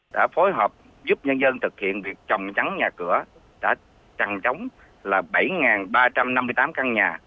đã phối hợp giúp nhân dân thực hiện việc trầm trắng nhà cửa trầm trống là bảy ba trăm năm mươi tám căn nhà